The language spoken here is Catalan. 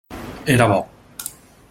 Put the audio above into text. Era bo.